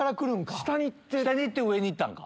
下に行って上に行ったんか。